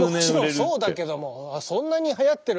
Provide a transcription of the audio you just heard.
もちろんそうだけどもそんなにはやってる？